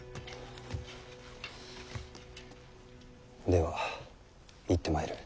では行ってまいる。